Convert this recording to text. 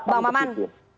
oke mbak maman